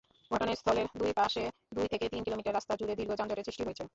ঘটনাস্থলের দুই পাশে দুই থেকে তিন কিলোমিটার রাস্তা জুড়ে দীর্ঘ যানজটের সৃষ্টি হয়েছে।